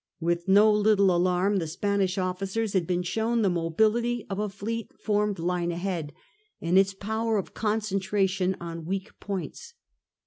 With no little alarm the Spanish officers had been shown the mobility of a fleet formed line ahead, and its power of concentra tion on weak points.